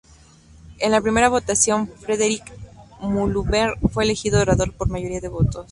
En la primera votación, Frederick Muhlenberg fue elegido orador por mayoría de votos.